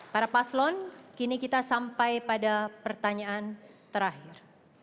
para paslon kini kita sampai pada pertanyaan terakhir